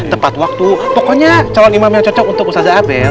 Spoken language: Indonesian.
tepat waktu pokoknya calon imam yang cocok untuk ustadz abel